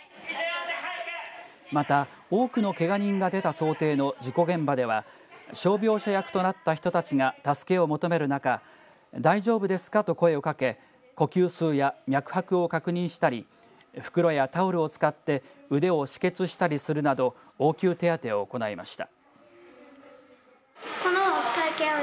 また、多くのけが人が出た想定の事故現場では傷病者役となった人たちが助けを求める中大丈夫ですかと声を掛け呼吸数や、脈拍を確認したり袋やタオルを使って腕を止血したりするなど応急手当を行いました。